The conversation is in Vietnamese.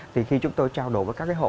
thì khi chúng tôi trao đổi với các cái hộ